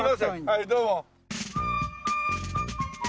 はいどうも。